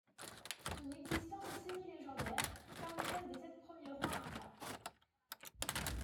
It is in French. Son existence est semi-légendaire, comme celle des sept premiers rois incas.